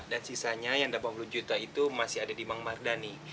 dan sisanya yang dapat sepuluh juta itu masih ada di mang mardani